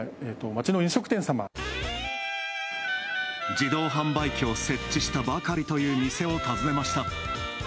自動販売機を設置したばかりという店を訪ねました。